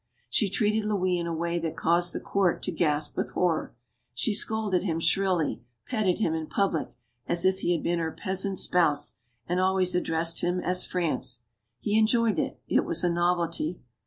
She treated Louis in a way that caused the court to gasp with horror. She scolded him shrilly; petted him, in public, as if he had been her peasant spouse; and always addressed him as "France." He enjoyed it. It was a novelty.